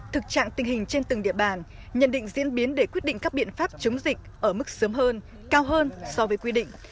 thực trạng tình hình trên từng địa bàn nhận định diễn biến để quyết định các biện pháp chống dịch ở mức sớm hơn cao hơn so với quy định